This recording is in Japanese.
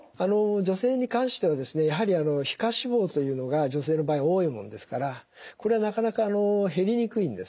女性に関してはですねやはり皮下脂肪というのが女性の場合多いものですからこれはなかなか減りにくいんですね。